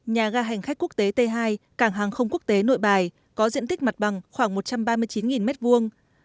nhà ga hành khách quốc tế t hai cảng hàng không quốc tế nội bài có diện tích mặt bằng khoảng một trăm ba mươi chín m hai